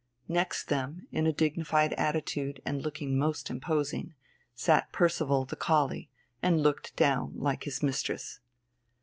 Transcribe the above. Next them, in a dignified attitude and looking most imposing, sat Percival, the collie, and looked down like his mistress.